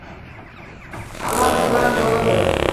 Alam bi-lan yoydi.